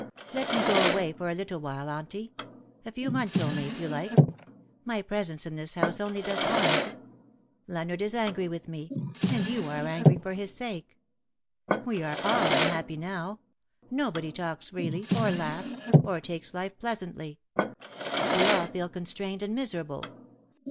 Let me go away for a little while, Auntie — a few months only^ if you like. My presence in this house only does harm. Leonard is angry with me — and you are angry for his sake. We are all unhappy now — nobody talks freely — or laughs — or takes life pleasantly. We all feel con strained and miserable.